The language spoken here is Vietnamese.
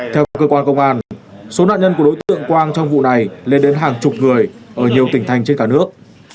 theo cơ quan công an số nạn nhân của đối tượng quang trong vụ này lên đến hàng chục người ở nhiều tỉnh thành trên cả nước